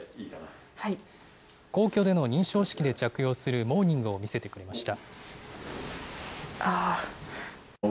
皇居での認証式で着用するモーニングを見せてくれました。